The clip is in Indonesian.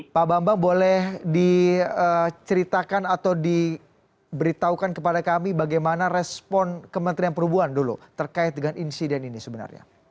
pak bambang boleh diceritakan atau diberitahukan kepada kami bagaimana respon kementerian perhubungan dulu terkait dengan insiden ini sebenarnya